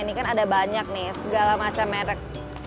ini kan ada banyak nih segala macam merek